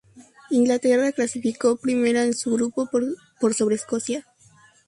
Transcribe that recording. Inglaterra clasificó primera en su grupo por sobre Escocia.